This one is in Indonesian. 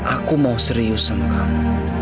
aku mau serius sama kamu